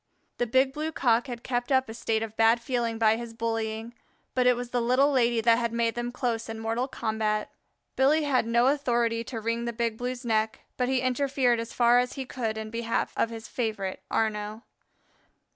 The Big Blue cock had kept up a state of bad feeling by his bullying, but it was the Little Lady that had made them close in mortal combat. Billy had no authority to wring the Big Blue's neck, but he interfered as far as he could in behalf of his favorite Arnaux.